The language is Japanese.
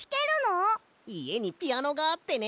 いえにピアノがあってね